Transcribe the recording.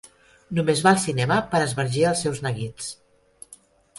Només va al cinema per esbargir els seus neguits.